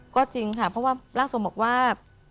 ก็จริงค่ะเพราะว่าร่างทรงบอกว่า